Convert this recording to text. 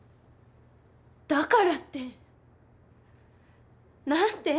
だからって何で！？